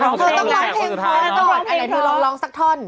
ต้องร้องเพลงพออันไหนเธอร้องร้องสักท่อน